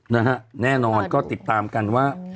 แน่นอนก็ติดตามกันว่า